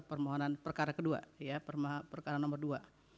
permohonan perkara kedua perkara nomor dua